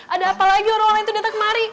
ada apa lagi orang orang itu datang kemari